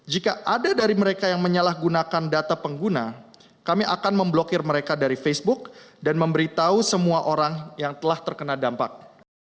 jika ada dari mereka yang menyalahgunakan data pengguna kami akan memblokir mereka dari facebook dan memberitahu semua orang yang telah terkena dampak